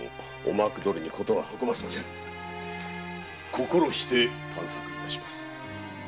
心して探索致します。